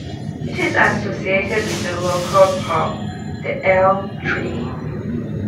It is associated with the local pub, The Elm Tree Inn.